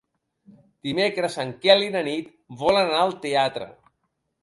Dimecres en Quel i na Nit volen anar al teatre.